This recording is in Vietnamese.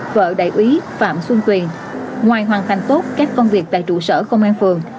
vợ đại ý phạm xuân quỳnh ngoài hoàn thành tốt các công việc tại trụ sở công an phường